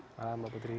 selamat malam mbak putri